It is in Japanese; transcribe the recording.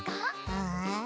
うん？